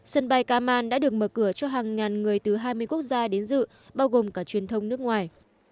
sân bay kaman đã được mở cửa cho hàng ngàn người từ hai mươi quốc gia đến dự bao gồm cả truyền thông nước ngoài